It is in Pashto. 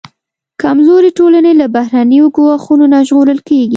کمزورې ټولنې له بهرنیو ګواښونو نه ژغورل کېږي.